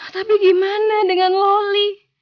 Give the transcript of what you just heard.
tapi gimana dengan loli